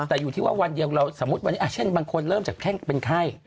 แต่อยู่ที่ว่าวันเดียวเราสมมุติวันนี้เช่นบางคนเริ่มจากแค่เป็นไข้